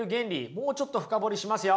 もうちょっと深掘りしますよ。